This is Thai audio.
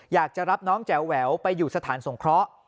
อยากจะรับน้องแจ๋วแหววไปอยู่สถานสงเคราะห์